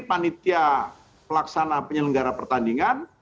panitia pelaksana penyelenggara pertandingan